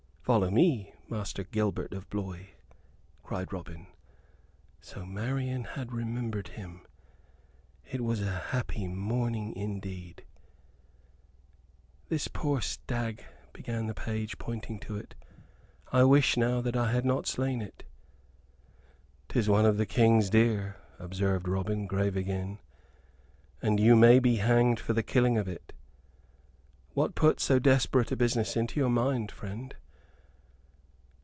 "Follow me, Master Gilbert of Blois," cried Robin. So Marian had remembered him. It was a happy morning, indeed! "This poor stag," began the page, pointing to it. "I wish now that I had not slain it." "'Tis one of the King's deer," observed Robin, grave again, "and you may be hanged for the killing of it. What put so desperate a business into your mind, friend?"